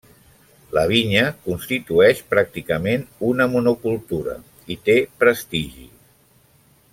La vinya constitueix pràcticament una monocultura i té prestigi.